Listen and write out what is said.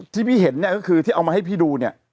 ที่พี่เห็นเนี่ยก็คือที่เอามาให้พี่ดูเนี่ย